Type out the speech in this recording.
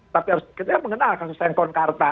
tapi kita mengenal kasus yang konkarta